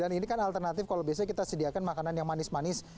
dan ini kan alternatif kalau kita sediakan makanan yang manis manis